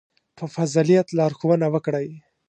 • په فضیلت لارښوونه وکړئ.